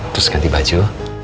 terus ganti baju